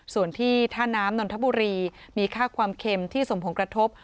ส่วนที่ท่าน้ำนนทบุรีมีค่าความเค็มที่สมผงกระทบ